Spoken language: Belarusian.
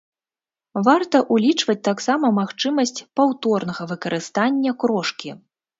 Варта ўлічваць таксама магчымасць паўторнага выкарыстання крошкі.